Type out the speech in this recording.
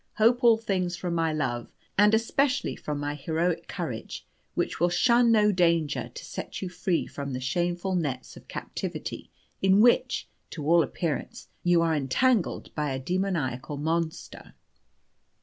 Hope all things from my love, and, especially, from my heroic courage, which will shun no danger to set you free from the shameful nets of captivity in which, to all appearance, you are entangled by a demoniacal monster."